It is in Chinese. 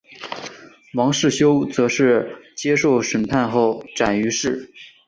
王世修则是接受审判后斩于市。